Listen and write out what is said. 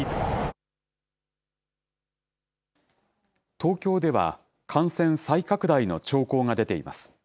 東京では、感染再拡大の兆候が出ています。